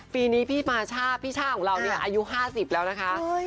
ปีนี้พี่มาช่าพี่ช่าของเราเนี่ยอายุ๕๐แล้วนะคะ